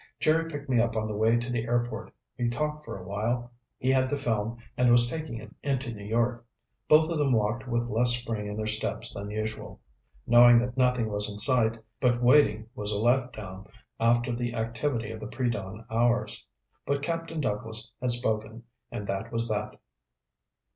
"Jerry picked me up on the way to the airport. We talked for a while. He had the film and was taking it into New York." Both of them walked with less spring in their steps than usual. Knowing that nothing was in sight but waiting was a letdown after the activity of the predawn hours. But Captain Douglas had spoken and that was that.